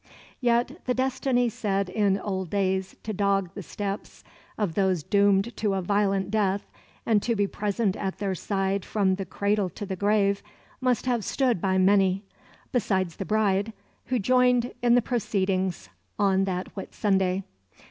Yet the destiny said in old days to dog the steps of those doomed to a violent death and to be present at their side from the cradle to the grave must have stood by many, besides the bride, who joined in the proceedings on that Whitsunday.